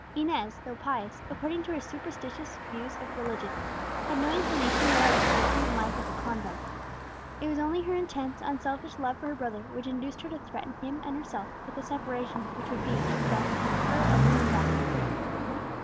Inez, though pious, according to her superstitious views of religion, had no inclination whatever for the prison life of a convent. It was only her intense, unselfish love for her brother which induced her to threaten him and herself with a separation which would be, she felt, to her a living death.